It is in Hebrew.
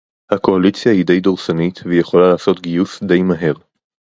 הקואליציה היא די דורסנית והיא יכולה לעשות גיוס די מהר